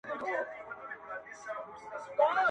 • خوبيا هم ستا خبري پټي ساتي.